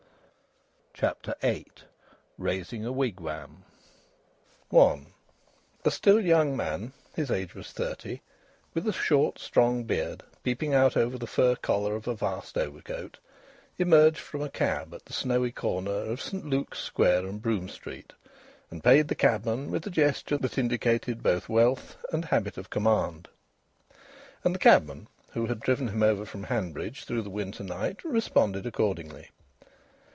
CHAPTER VIII RAISING A WIGWAM I A still young man his age was thirty with a short, strong beard peeping out over the fur collar of a vast overcoat, emerged from a cab at the snowy corner of St Luke's Square and Brougham Street, and paid the cabman with a gesture that indicated both wealth and the habit of command. And the cabman, who had driven him over from Hanbridge through the winter night, responded accordingly.